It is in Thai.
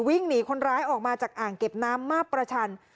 วิ่งหนีคนร้ายออกมาจากอ่างเก็บน้ำมาประชัน